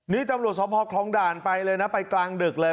นี่ตำรวจสภคลองด่านไปเลยนะไปกลางดึกเลย